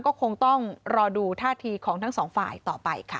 ก็คงต้องรอดูท่าทีของทั้งสองฝ่ายต่อไปค่ะ